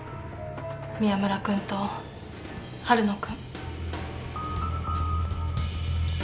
宮村君と春野君。